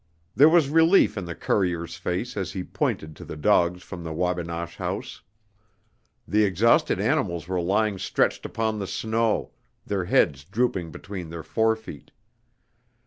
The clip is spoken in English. There was relief in the courier's face as he pointed to the dogs from Wabinosh House. The exhausted animals were lying stretched upon the snow, their heads drooping between their forefeet.